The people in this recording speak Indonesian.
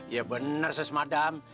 ya benar ses madam